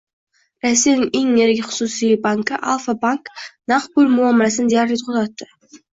Rossiyaning eng yirik xususiy banki Alfa-Bank naqd pul muomalasini deyarli to'xtatdi